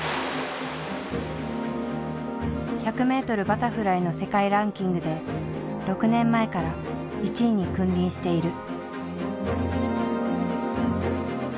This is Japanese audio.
１００ｍバタフライの世界ランキングで６年前から１位に君臨している。